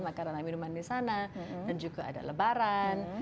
makanan minuman di sana dan juga ada lebaran